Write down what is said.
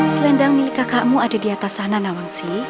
selendang milik kakakmu ada di atas sana nawangsi